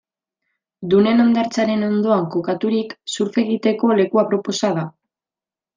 Dunen hondartzaren ondoan kokaturik, surf egiteko leku aproposa da.